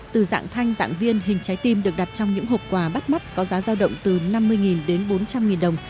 từ dạng thanh dạng viên hình trái tim được đặt trong những hộp quà bắt mắt có giá giao động từ năm mươi đến bốn trăm linh đồng